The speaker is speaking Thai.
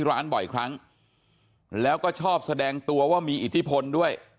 ร้านบ่อยครั้งแล้วก็ชอบแสดงตัวว่ามีอิทธิพลด้วย